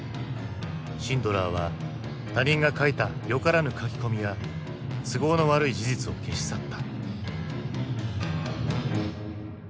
シンドラーは他人が書いたよからぬ書き込みや都合の悪い事実を消し去った。